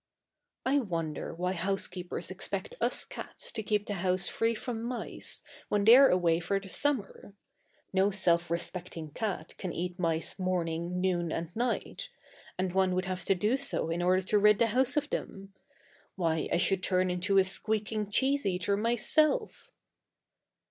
I wonder why housekeepers expect us cats to keep the house free from mice when they're away for the summer. No self respecting cat can eat mice morning, noon and night; and one would have to do so in order to rid the house of them. Why, I should turn into a squeaking cheese eater, myself!